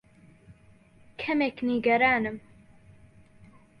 کەمێک نیگەرانم.